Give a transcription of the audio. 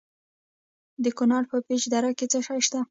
د کونړ په پيچ دره کې څه شی شته؟